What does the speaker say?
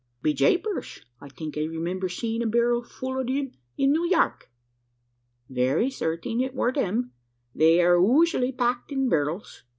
"Be japers! I think I remimber seein' a barrel full ov thim in New Yark." "Very certing it were them they air usooaly packed in berr'ls.